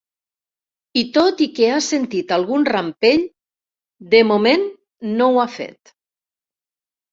I tot i que ha sentit algun rampell, de moment no ho ha fet.